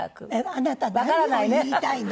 あなた何を言いたいの？